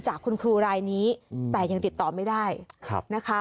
จากคุณครูรายนี้แต่ยังติดต่อไม่ได้นะคะ